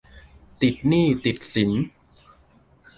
ติดหนี้ติดสิน